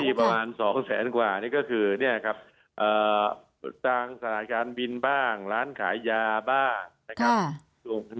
มีประมาณ๒แสนกว่านี่ก็คือเนี่ยครับทางสายการบินบ้างร้านขายยาบ้านะครับ